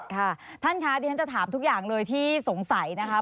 ค่ะท่านคะที่ฉันจะถามทุกอย่างเลยที่สงสัยนะคะ